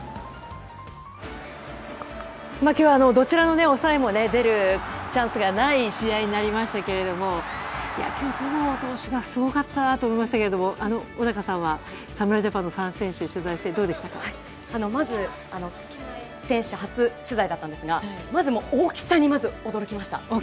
今日はどちらの抑えも出るチャンスがない試合になりましたけど今日は戸郷投手がすごかったなと思いましたが小高さんは侍ジャパンの３選手を取材して選手初取材だったんですがまず大きさに驚きました。